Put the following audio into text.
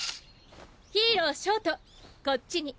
ヒーロー「ショート」こっちに。